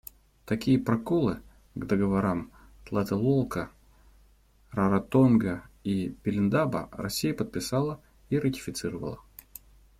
Такие проколы к договорам Тлателолко, Раротонга и Пелиндаба Россия подписала и ратифицировала.